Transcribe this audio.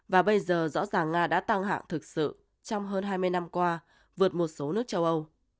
và bây giờ rõ ràng nga đã tăng hạng thực sự trong hơn hai mươi năm qua vượt một số nước châu âu